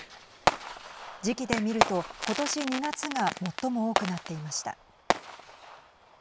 時期で見ると、今年２月が最も多くなっていました。